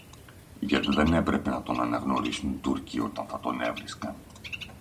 Γιατί δεν έπρεπε να τον αναγνωρίσουν οι Τούρκοι, όταν θα τον έβρισκαν.